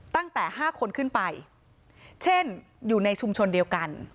ตั้งแต่๕คนขึ้นไปเช่นอยู่ในชุมชนเดียวกัน